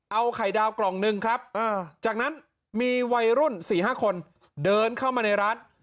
เอาไข่ดาวกล่องหนึ่งครับจากนั้นมีวัยรุ่น๔๕คนเดินเข้ามาในร้าน